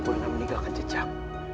buna meninggalkan jejak